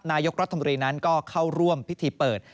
นายกรัฐมนตรีนั้นก็เข้าร่วมพิธีเปิด